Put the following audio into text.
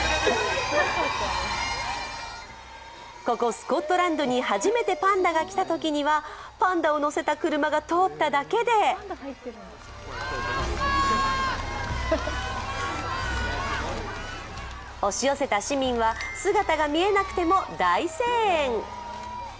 ここスコットランドに初めてパンダが来たときにはパンダを乗せた車が通っただけで押し寄せた市民は姿が見えなくても大声援。